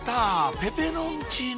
ペペロンチーノ